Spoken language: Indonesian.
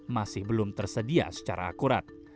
masih belum tersedia secara akurat